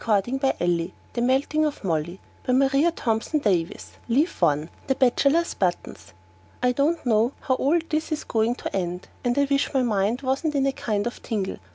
org/etext/15817 THE MELTING OF MOLLY by MARIA THOMPSON DAVIESS Leaf I. The Bachelor's Buttons. I don't know how all this is going to end, and I wish my mind wasn't in a kind of tingle.